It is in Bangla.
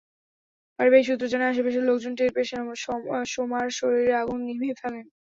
পারিবারিক সূত্র জানায়, আশপাশের লোকজন টের পেয়ে সোমার শরীরের আগুন নিভিয়ে ফেলেন।